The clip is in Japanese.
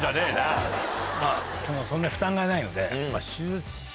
そんな負担がないので。